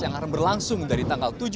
yang akan berlangsung dari tanggal tujuh